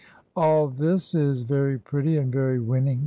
" All this is very pretty and very winning.